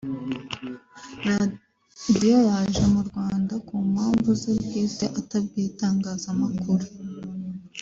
Radio yaje mu Rwanda ku mpamvu ze bwite atabwiye itangazamakuru